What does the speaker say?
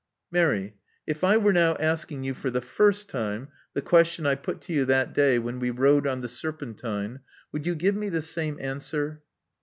Mary: if I were now asking you for the first time the question I put to you that day when we rowed on the Serpentine, would you give me the same answer?"